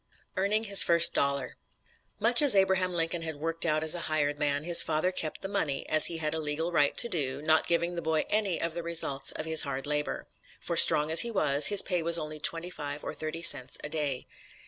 EARNING HIS FIRST DOLLAR Much as Abraham Lincoln had "worked out" as a hired man, his father kept the money, as he had a legal right to do, not giving the boy any of the results of his hard labor, for, strong as he was, his pay was only twenty five or thirty cents a day.